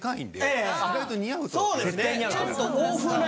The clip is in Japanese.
そうですね。